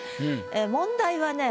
問題はね